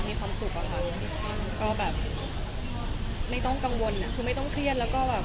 มีความสุขอะค่ะก็แบบไม่ต้องกังวลอ่ะคือไม่ต้องเครียดแล้วก็แบบ